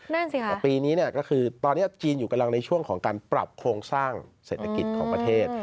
นั่นสิค่ะแต่ปีนี้เนี่ยก็คือตอนนี้จีนอยู่กำลังในช่วงของการปรับโครงสร้างเศรษฐกิจของประเทศ